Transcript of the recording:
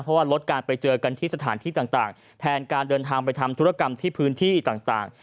เพราะว่าลดการไปเจอกันที่สถานที่ต่างแทนการเดินทางไปทำธุรกรรมที่พื้นที่ต่าง